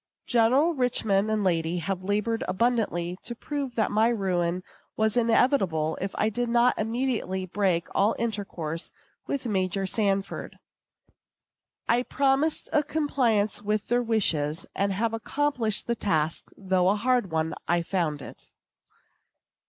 General Richman and lady have labored abundantly to prove that my ruin was inevitable if I did not immediately break all intercourse with Major Sanford. I promised a compliance with their wishes, and have accomplished the task, though a hard one I found it.